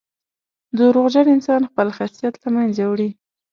• دروغجن انسان خپل حیثیت له منځه وړي.